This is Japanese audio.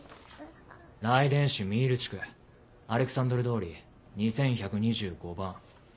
「ライデン市ミール地区アレクサンドル通り２１２５番」。